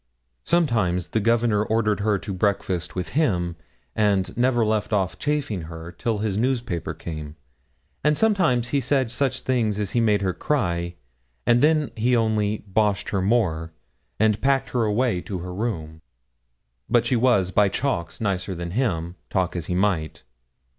Sometimes the Governor ordered her to breakfast with him, and 'never left off chaffing her' till his newspaper came, and 'sometimes he said such things he made her cry,' and then he only 'boshed her more,' and packed her away to her room; but she was by chalks nicer than him, talk as he might.